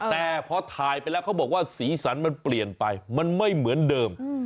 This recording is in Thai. แต่พอถ่ายไปแล้วเขาบอกว่าสีสันมันเปลี่ยนไปมันไม่เหมือนเดิม